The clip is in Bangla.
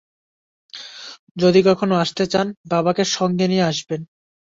যদি কখনো আসতে চান, বাবাকে সঙ্গে নিয়ে আসবেন।